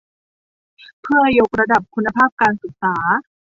เพื่อยกระดับคุณภาพการศึกษา